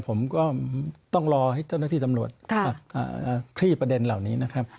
ผมก็ต้องรอให้เจ้าหน้าที่ตำรวจคลี่ประเด็นเหล่านี้นะครับ